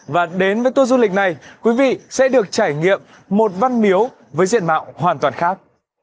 và đến với tour du lịch này quý vị sẽ được trải nghiệm một văn miếu với diện mạo hoàn toàn khác